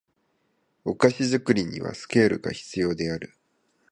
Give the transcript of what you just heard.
お菓子作りにはスケールが必要である